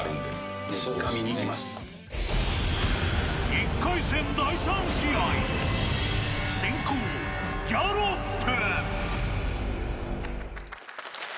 １回戦、第３試合先攻、ギャロップ。